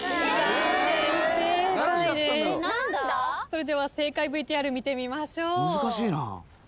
それでは正解ＶＴＲ見てみましょう。